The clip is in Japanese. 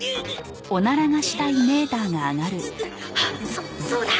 そそうだ！